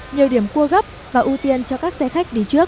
nhiều điểm cua gấp và ưu tiên cho các xe khách đi trước